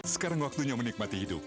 sekarang waktunya menikmati hidup